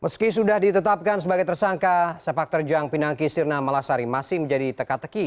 meski sudah ditetapkan sebagai tersangka sepak terjang pinangki sirna malasari masih menjadi teka teki